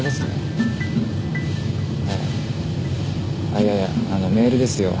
あっいやいやメールですよ。